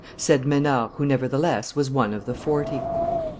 said Maynard, who, nevertheless, was one of the forty.